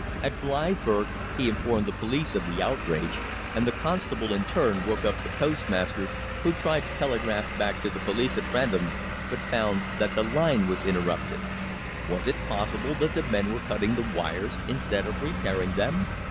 At Blythburgh he informed the police of the outrage, and the constable, in turn, woke up the postmaster, who tried to telegraph back to the police at Wrentham, but found that the line was interrupted. Was it possible that the men were cutting the wires, instead of repairing them?